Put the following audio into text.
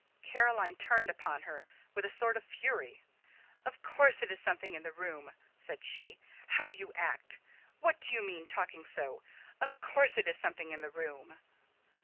Caroline turned upon her with a sort of fury. "Of course it is something in the room," said she. "How you act! What do you mean talking so? Of course it is something in the room."